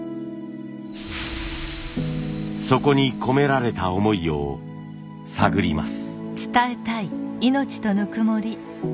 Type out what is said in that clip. そこに込められた思いを探ります。